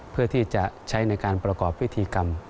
เพื่อที่จะใช้ในการประกอบพิธีกรรม